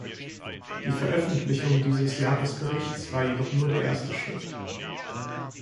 Die Veröffentlichung dieses Jahresberichts war jedoch nur der erste Schritt.